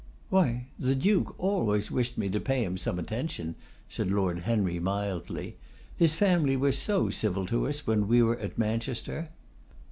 'Why, the Duke always wished me to pay him some attention,' said Lord Henry, mildly. 'His family were so civil to us when we were at Manchester.